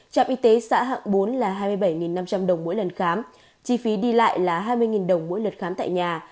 trạm y tế xã hạng bốn là hai mươi bảy năm trăm linh đồng mỗi lần khám chi phí đi lại là hai mươi đồng mỗi lượt khám tại nhà